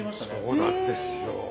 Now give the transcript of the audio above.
そうなんですよ。